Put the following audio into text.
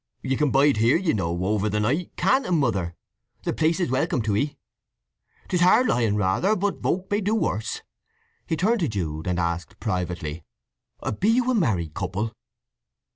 "You can bide here, you know, over the night—can't 'em, Mother? The place is welcome to ye. 'Tis hard lying, rather, but volk may do worse." He turned to Jude and asked privately: "Be you a married couple?"